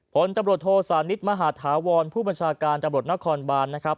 ผลตำรวจโทสานิทมหาธาวรผู้บัญชาการตำรวจนครบานนะครับ